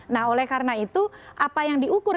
nah oleh karena itu apa yang diukur